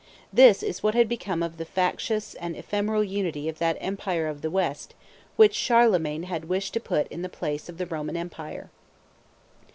This is what had become of the factitious and ephemeral unity of that Empire of the West which Charlemagne had wished to put in the place of the Roman empire.